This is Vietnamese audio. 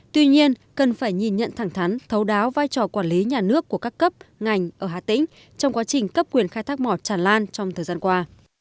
tuy nhiên cần phải nhìn nhận thẳng thắn thấu đáo vai trò quản lý nhà nước của các cấp ngành ở hà tĩnh trong quá trình cấp quyền khai thác mỏ tràn lan trong thời gian qua